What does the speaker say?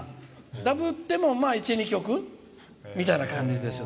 ダブっても、１２曲みたいな感じですよ。